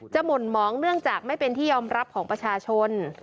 หม่นหมองเนื่องจากไม่เป็นที่ยอมรับของประชาชน